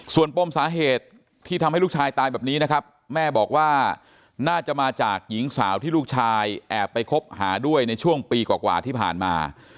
ส่วนปมสาเหตุที่ทำให้ลูกชายตายแบบนี้นะครับแม่บอกว่าน่าจะมาจากหญิงสาวที่ลูกชายแอบไปคบหาด้วยในช่วงปีกว่าที่ผ่านมา